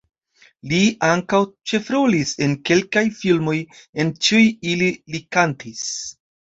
Li ankaŭ ĉefrolis en kelkaj filmoj, en ĉiuj ili li kantis.